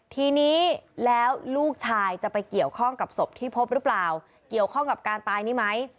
ทีนี้แล้วลูกชายจะไปเกี่ยวข้องกับศพที่พบหรือเปล่าเกี่ยวข้องกับการตายนี้ไหม